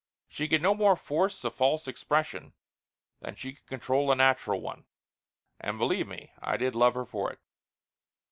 She could no more force a false expression than she could control a natural one, and believe me I did love her for it.